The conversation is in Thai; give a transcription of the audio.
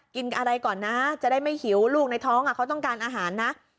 กินอะไรก่อนนะจะได้ไม่หิวลูกในท้องเขาต้องการอาหารนะ